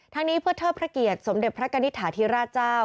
นี้เพื่อเทิดพระเกียรติสมเด็จพระกณิตฐาธิราชเจ้า